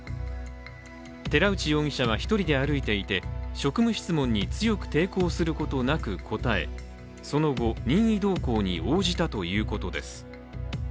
寺内容疑者は１人で歩いていて職務質問に強く抵抗することなく答えその後、任意同行に応じたということです。